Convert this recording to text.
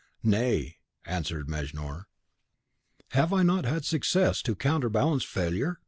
"Nay," answered Mejnour; "have I not had success to counterbalance failure?